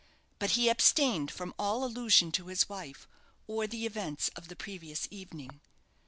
But he abstained from all allusion to his wife, or the events of the previous evening.